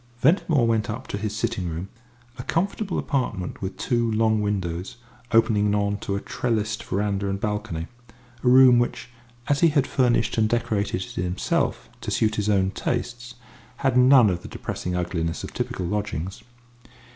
Ventimore went up to his sitting room, a comfortable apartment with two long windows opening on to a trellised verandah and balcony a room which, as he had furnished and decorated it himself to suit his own tastes, had none of the depressing ugliness of typical lodgings.